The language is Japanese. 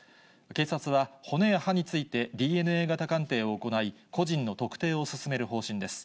警察は、骨や歯について、ＤＮＡ型鑑定を行い、個人の特定を進める方針です。